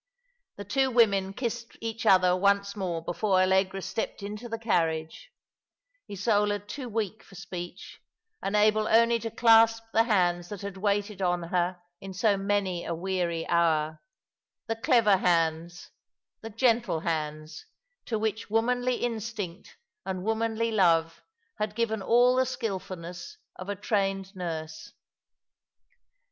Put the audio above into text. The two women kissed each other once more before AUegra stepped into the carriage, Isola too weak for speech, and able only to clasp the hands that had waited on her in so many a weary hour ; the clever hands, the gentle hands, to which womanly instinct and womanly love had given all the skilfulness of a trained nurse.